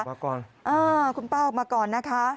อ่าคุณป้าออกมาก่อนนะคะ